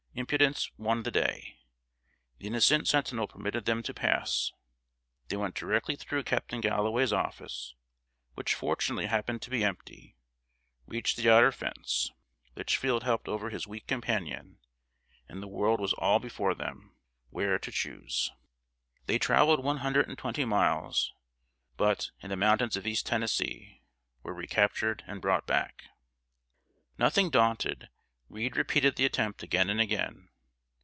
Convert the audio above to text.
Impudence won the day. The innocent sentinel permitted them to pass. They went directly through Captain Galloway's office, which fortunately happened to be empty; reached the outer fence; Litchfield helped over his weak companion, and the world was all before them, where to choose. They traveled one hundred and twenty miles, but, in the mountains of East Tennessee, were recaptured and brought back. Nothing daunted, Reed repeated the attempt again and again.